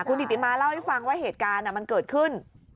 คุณอิติมาเล่าให้ฟังว่าเหตุการณ์มันเกิดขึ้น